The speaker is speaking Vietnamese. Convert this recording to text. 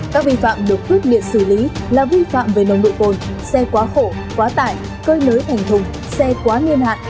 các vi phạm được quyết định xử lý là vi phạm về nồng nội bồn xe quá khổ quá tải cơ nới thành thùng xe quá nghiên hạn